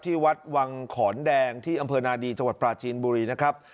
ที่วัดวังขอนแดงที่อำเภอนาดีจังหวัดปราจีนบุรีนะครับ